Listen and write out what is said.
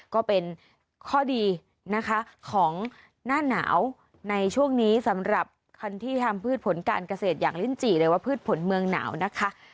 ก็เป็นข้อดีนะคะของหน้าหนาวในช่วงนี้สำหรับคันที่ทำพืชผลการเกษตรอย่างลิ้นจี่หรือว่าพืชผลเมืองหนาวนะคะ